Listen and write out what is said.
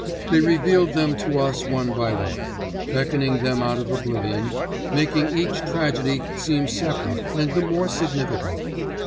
They revealed them to us one by one, beckoning them out of oblivion, making each tragedy seem separate and the more significant.